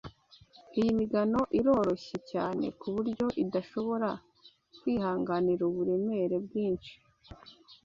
Iyi migano iroroshye cyane kuburyo idashobora kwihanganira uburemere bwinshi.